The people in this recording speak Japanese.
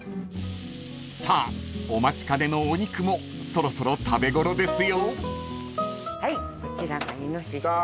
［さあお待ちかねのお肉もそろそろ食べ頃ですよ］来た。